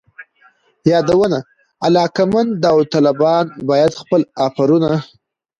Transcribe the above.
یادونه: علاقمند داوطلبان باید خپل آفرونه